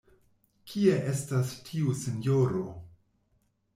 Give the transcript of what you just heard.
Kie estas tiu sinjoro?